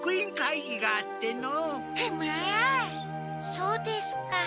そうですか。